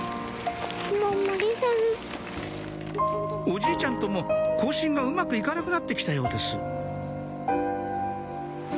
おじいちゃんとも交信がうまく行かなくなって来たようです